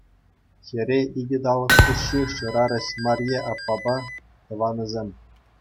Хӗре икӗ талӑк хушши шырарӗҫ Марье аппапа тӑванӗсем.